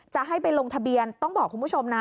จะให้ไปลงทะเบียนต้องบอกคุณผู้ชมนะ